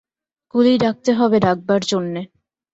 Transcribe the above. কুলি ডাকতে হবে ডাকবার জন্যে।